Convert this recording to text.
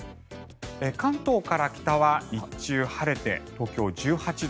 関東から北は日中晴れて東京、１８度。